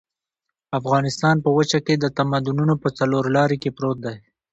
افغانستان په وچه کې د تمدنونو په څلور لاري کې پروت دی.